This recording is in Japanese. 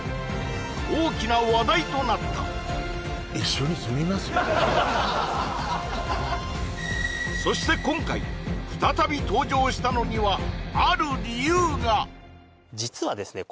大きな話題となったそして今回再び登場したのにはある理由が実はですね